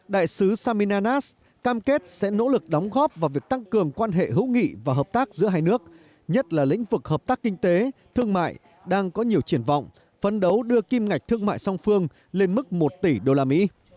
đại sứ samina nas cam kết sẽ nỗ lực đóng góp vào việc tăng cường quan hệ hữu nghị và hợp tác giữa hai nước nhất là lĩnh vực hợp tác kinh tế thương mại đang có nhiều triển vọng phấn đấu đưa kim ngạch thương mại song phương lên mức một tỷ đô la mỹ